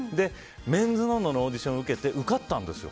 「メンズノンノ」のオーディションを受けて受かったんですよ